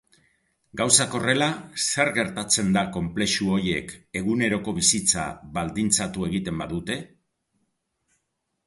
Gauzak horrela, zer gertatzen da konplexu horiek eguneroko bizitza baldintzatu egiten badute?